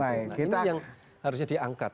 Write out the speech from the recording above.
nah ini yang harusnya diangkat